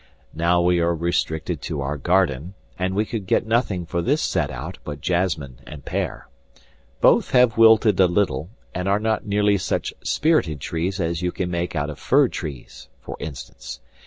Now we are restricted to our garden, and we could get nothing for this set out but jasmine and pear. Both have wilted a little, and are not nearly such spirited trees as you can make out of fir trees, for instance.